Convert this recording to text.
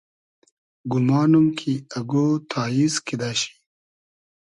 گومانوم کی اگۉ تاییز کیدۂ شی